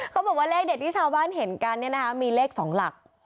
เขาบอกว่าเลขเด็ดที่ชาวบ้านเห็นกันเนี่ยนะคะมีเลข๒หลัก